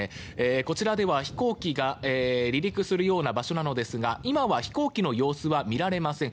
こちらでは、飛行機が離陸するような場所なんですが今は飛行機の様子は見られません。